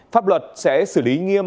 pháp luật sẽ xử lý nghiêm